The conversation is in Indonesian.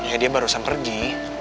ya dia barusan pergi